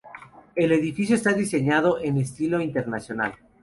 El edificio está diseñado en Estilo Internacional.